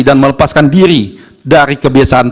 dan melepaskan diri dari kebiasaan